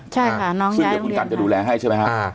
ใช่ค่ะซึ่งเดี๋ยวคุณกันจะดูแลให้ใช่ไหมครับ